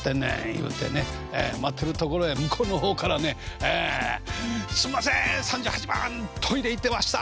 言うてね待ってるところへ向こうの方からね「すんません３８番トイレ行ってました」